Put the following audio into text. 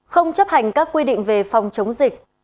không chấp hành các quy định về phòng chống dịch